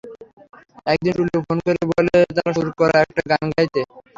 একদিন টুলু ফোন করে বলে তার সুর করা একটা গান গাইতে।